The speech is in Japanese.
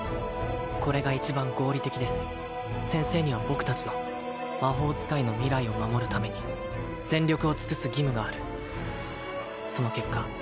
これが一番合理的です先生には僕達の魔法使いの未来を守るために全力を尽くす義務があるその結果